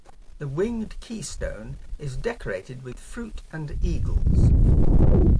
The winged keystone is decorated with fruit and eagles.